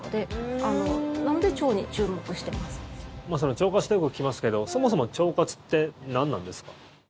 腸活ってよく聞きますけどそもそも腸活って何なんですか？